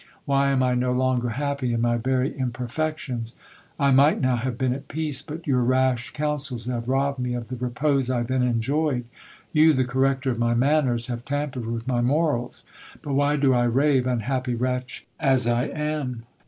Why am I no longer happy in my very imperfections ? I might now have been at peace, but your rash counsels have robbed me of the repose I then enjoyed. You, the corrector of my manners, have tampered with my morals But why do I rave, unhappy wretch as I am